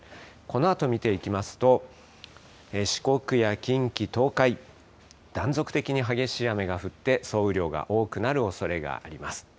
このあと見ていきますと、四国や近畿、東海、断続的に激しい雨が降って、総雨量が多くなるおそれがあります。